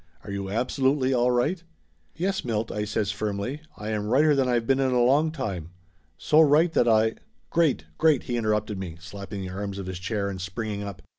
Are you absolutely all right ?" "Yes, Milt," I says firmly. "I am righter than I've been in a long time. So right that I " "Great, great !" he interrupted me, slapping the arms of his chair and springing up.